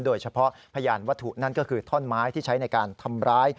โดยเฉพาะพยานวัตถุนั่นก็คือท่อนไม้ที่ใช้ในการทำร้าย